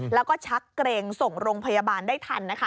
แล้วก็ชักเกรงส่งโรงพยาบาลได้ทันนะคะ